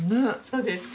そうですか？